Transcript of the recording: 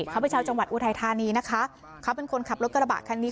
เขาเป็นชาวจังหวัดอุทัยธานีนะคะเขาเป็นคนขับรถกระบะคันนี้